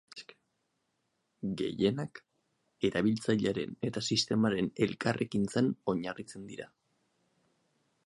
Gehienak erabiltzailearen eta sistemaren elkarrekintzan oinarritzen dira.